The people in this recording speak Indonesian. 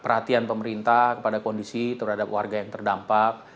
perhatian pemerintah kepada kondisi terhadap warga yang terdampak